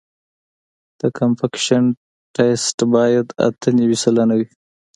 د کمپکشن ټسټ باید اته نوي سلنه وي